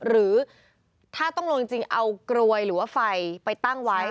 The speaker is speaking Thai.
หรือถ้าต้องลงจริงเอากรวยหรือว่าไฟไปตั้งไว้